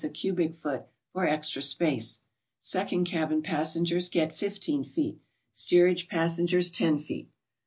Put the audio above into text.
a cubic foot for extra space. Second cabin passengers gett 15 feet, steerage passenger's 10 feet.